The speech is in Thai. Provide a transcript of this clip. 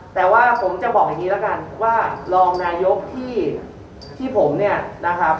แต่ว่าผมจะบอกอย่างนี้แล้วกันว่ารองนายกที่ผมเนี่ยนะครับ